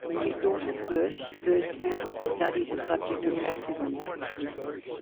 His daughter's birth spurred Campbell to study the subject of baptism.